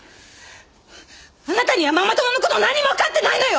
あなたにはママ友の事なんにもわかってないのよ！